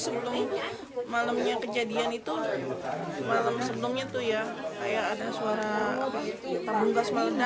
sebelumnya malamnya kejadian itu malam sebelumnya tuh ya kayak ada suara apa itu tabung basmala